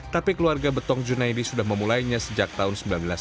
tapi keluarga betong junaidi sudah memulainya sejak tahun seribu sembilan ratus sembilan puluh